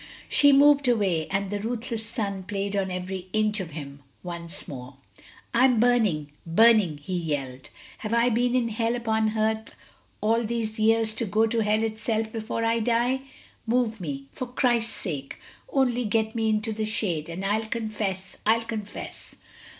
She moved away, and the ruthless sun played on every inch of him once more. "I'm burning burning!" he yelled. "Have I been in hell upon earth all these years to go to hell itself before I die? Move me, for Christ's sake! Only get me into the shade, and I'll confess I'll confess!"